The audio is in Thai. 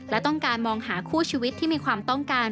และต้องการมองหาคู่ชีวิตที่มีความต้องการ